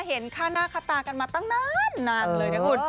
เห็นข้าวหน้าขับตากันมาตั้งนานนานเลยนะคุณ